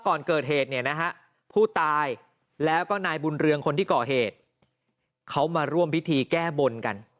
ก่อนเกิดเหตุเนี่ยนะฮะผู้ตายแล้วก็นายบุญเรืองคนที่ก่อเหตุเขามาร่วมพิธีแก้บนกัน